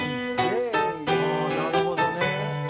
ああーなるほどね。